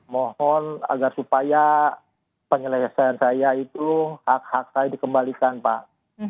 mohon agar supaya penyelesaian saya itu hak hak saya dikembalikan pak